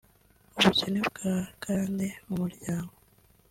ubukene bwa karande mu muryango